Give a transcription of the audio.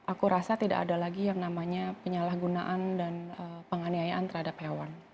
aku rasa tidak ada lagi yang namanya penyalahgunaan dan penganiayaan terhadap hewan